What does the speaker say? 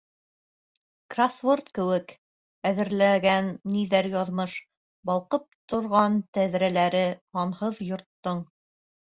Кроссворд кеүек, әҙерләгән ниҙәр яҙмыш, Балҡып торған тәҙрәләре һанһыҙ йорттоң.